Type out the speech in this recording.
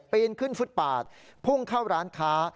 ปีนขึ้นฟุตปาดพุ่งเข้าร้านค้า